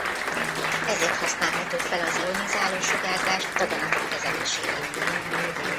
Ezért használható fel az ionizáló sugárzás daganatok kezelésére.